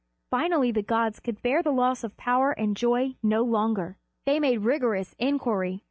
Finally the gods could bear the loss of power and joy no longer. They made rigorous inquiry.